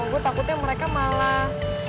gue takutnya mereka malah